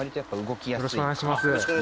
よろしくお願いします。